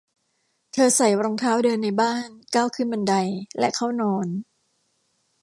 เธอใส่รองเท้าเดินในบ้าน ก้าวขึ้นบันได และเข้านอน